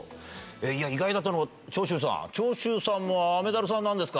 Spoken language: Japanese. いや、意外だったのが長州さん、長州さんも雨ダルさんなんですか？